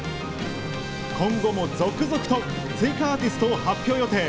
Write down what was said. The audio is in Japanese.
今後も続々と追加アーティストを発表予定。